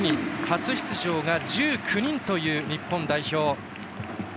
初出場が１９人という日本代表。